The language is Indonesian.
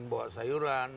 dari kalimantan bawa sayuran